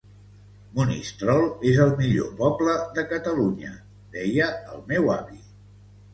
Monistrol és el millor poble de Catalunya, deia el meu avi.